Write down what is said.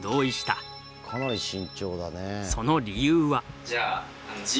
その理由は。